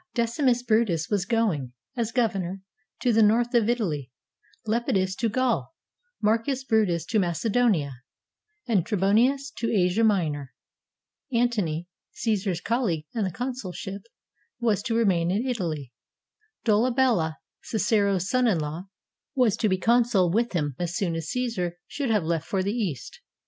Decimus Brutus was going, as governor, to the north of Italy, Lepidus to Gaul, Marcus Brutus to Macedonia, and Trebonius to Asia Minor. Antony, Caesar's colleague in the consulship, was to remain in Italy. Dolabella, Cicero's son in law, was to be consul with him as soon as Caesar should have left for the East.